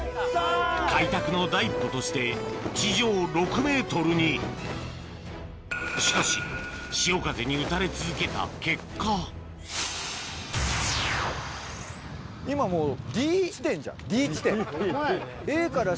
開拓の第一歩として地上６ｍにしかし潮風に打たれ続けた結果ホンマやね。